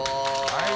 はい。